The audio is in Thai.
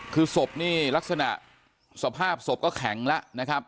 คือศพนี่ลักษณะสภาพศพก็แข็งแล้วนะครับ